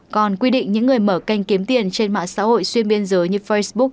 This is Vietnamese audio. còn quy định những người mở kênh kiếm tiền trên mạng xã hội xuyên biên giới như facebook